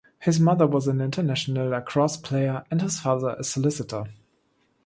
His mother was an international lacrosse player and his father a solicitor.